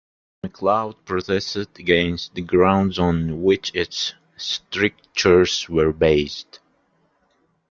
Macleod protested against the grounds on which its strictures were based.